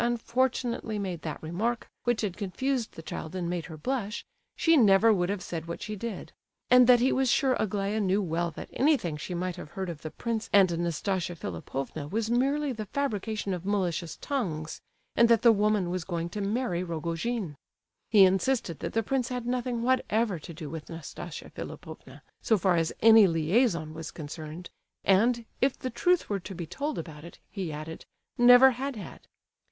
unfortunately made that remark, which had confused the child and made her blush, she never would have said what she did; and that he was sure Aglaya knew well that anything she might have heard of the prince and Nastasia Philipovna was merely the fabrication of malicious tongues, and that the woman was going to marry Rogojin. He insisted that the prince had nothing whatever to do with Nastasia Philipovna, so far as any liaison was concerned; and, if the truth were to be told about it, he added, never had had.